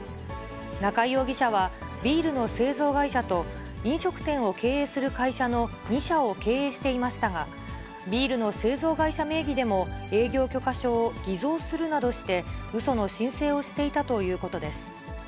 中井容疑者は、ビールの製造会社と飲食店を経営する会社の２社を経営していましたが、ビールの製造会社名義でも、営業許可証を偽造するなどして、うその申請をしていたということです。